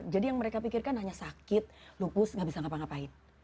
jadi yang mereka pikirkan hanya sakit lupus tidak bisa apa apain